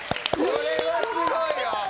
これはすごいよ！